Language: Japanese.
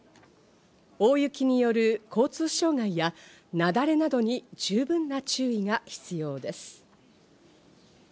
大雪による交通障害や、雪崩などに十分な注意が必要です。